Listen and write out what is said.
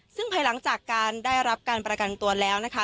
ซึ่งภายหลังจากการได้รับการประกันตัวแล้วนะคะ